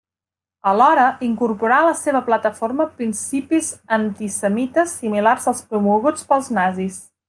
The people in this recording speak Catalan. Alhora, incorporà a la seva plataforma principis antisemites, similars als promoguts pels nazis.